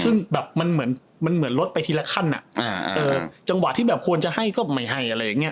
ซึ่งแบบมันเหมือนมันเหมือนลดไปทีละขั้นจังหวะที่แบบควรจะให้ก็ไม่ให้อะไรอย่างเงี้